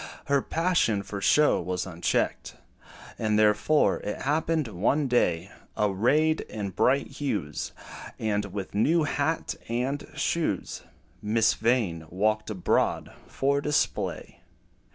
Her passion for show was unchecked; And therefore, it happened one day, Arrayed in bright hues, And with new hat and shoes, Miss Vain walked abroad for display.